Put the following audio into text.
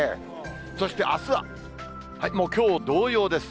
そしてあすは、もう、きょう同様です。